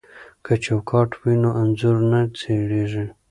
که چوکاټ وي نو انځور نه څیریږي.